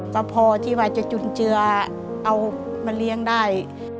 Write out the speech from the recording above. ก็พอที่ว่าจะจุนเจือเอามาเลี้ยงได้